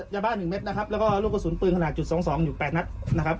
ยาบ้าน๑เม็ดนะครับแล้วก็ลูกกระสุนปืนขนาดจุดสองสองอยู่๘นัดนะครับ